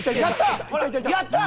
やった！